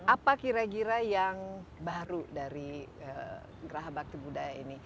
apa kira kira yang baru dari geraha bakti budaya ini